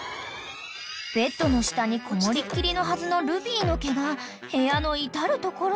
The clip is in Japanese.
［ベッドの下にこもりっきりのはずのルビーの毛が部屋の至る所に］